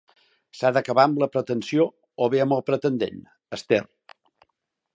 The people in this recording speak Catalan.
S'ha d'acabar amb la pretensió, o bé amb el pretendent, Esther.